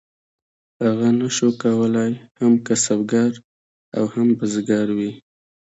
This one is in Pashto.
هغه نشو کولی هم کسبګر او هم بزګر وي.